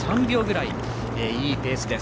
いいペースです。